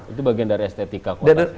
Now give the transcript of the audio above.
itu bagian dari estetika kota